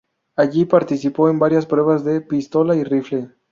Allí participó en varias pruebas de pistola y rifle.